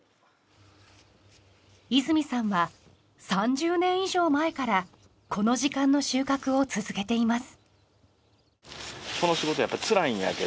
泉さんは３０年以上前からこの時間の収穫を続けています。